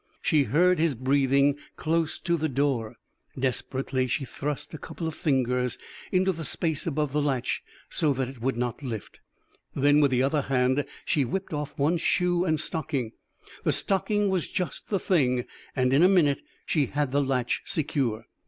She heard his breathing close to the door. Desperately she thrust a couple of fingers into the space above the latch, so that it would not lift. Then with the other hand she whipped off one shoe and stocking. The stocking was just the thing, and in a minute she had the latch secure.